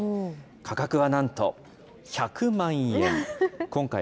価格はなんと１００万円。